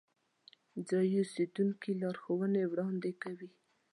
ځایی اوسیدونکي لارښوونې وړاندې کوي.